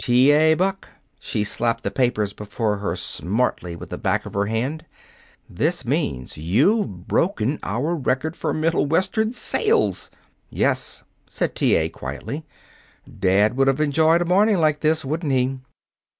"T. A. Buck," she slapped the papers before her smartly with the back of her hand, "this means you've broken our record for Middle Western sales!" "Yes," said T. A., quietly. "Dad would have enjoyed a morning like this, wouldn't he?"